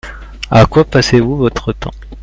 À quoi passez-vous votre temps ?